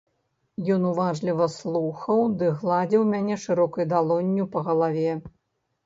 Ён уважліва слухаў ды гладзіў мяне шырокай далонню па галаве.